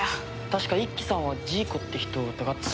確か一輝さんはジーコって人を疑って。